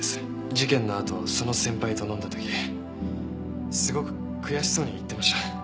事件のあとその先輩と飲んだ時すごく悔しそうに言ってました。